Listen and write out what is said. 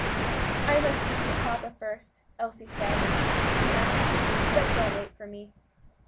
"I must speak to papa first," Elsie said in a half whisper, "but don't wait for me."